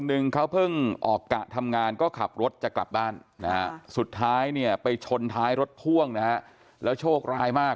หนึ่งเขาเพิ่งออกกะทำงานก็ขับรถจะกลับบ้านนะฮะสุดท้ายเนี่ยไปชนท้ายรถพ่วงนะฮะแล้วโชคร้ายมาก